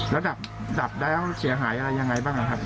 แล้วดับแล้วเสียหายอะไรยังไงบ้างนะครับ